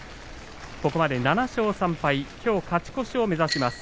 ここまで７勝３敗きょう勝ち越しを目指します。